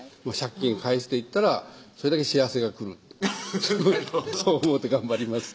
借金返していったらそれだけ幸せが来るそう思うて頑張ります